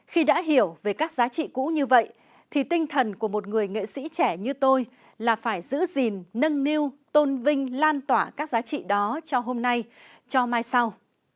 khi đã hiểu về các giá trị cũ như vậy thì tinh thần của một người nghệ sĩ trẻ như tôi là phải giữ gìn nâng niu tôn vinh lan tỏa các giá trị đó cho hôm nay cho mai sau